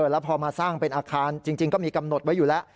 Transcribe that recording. แล้วพอมาสร้างเป็นอาคารจริงก็มีกำหนดไว้อยู่แล้ว